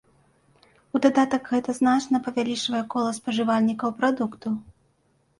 У дадатак гэта значна павялічвае кола спажывальнікаў прадукту.